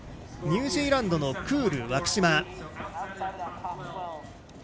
ニュージーランドのクール・ワクシマ。